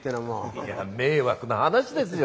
いや迷惑な話ですよ。